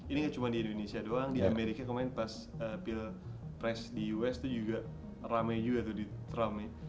ini gak cuma di indonesia doang di amerika kemarin pas pilpres di us tuh juga rame juga tuh di trump ya